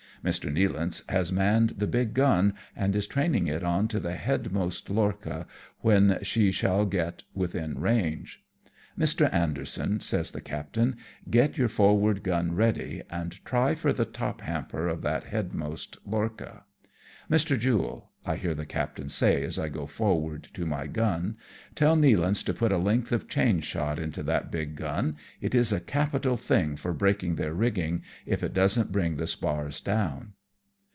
Mr. Nealance has manned the big gun, and is train ing it on to the headmost lorcha when she shall get within range. " Mr. Anderson," says the captain, " get your forward gun ready, and try for the top hamper of that headmost lorcha." " Mr. Jule," I hear the captain say as I go forward to my gun, "tell Nealance to put a length of chain shot into that big gun, it is a capital thing for break ing their rigging, if it don't bring the spars down.''